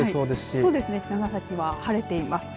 そうですね長崎は晴れています。